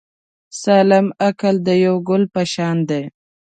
سالم عقل د یو ګل په شان دی.